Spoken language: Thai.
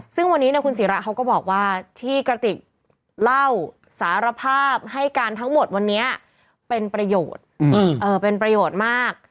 ซึ่งวันนี้คุณศิราเขาก็บอกว่าที่กระติกเล่าสารภาพให้การทั้งหมดวันนี้เป็นประโยชน์เป็นประโยชน์มาก